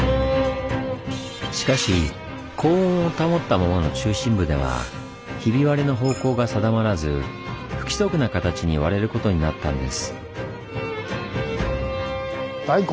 しかし高温を保ったままの中心部ではひび割れの方向が定まらず不規則な形に割れることになったんです。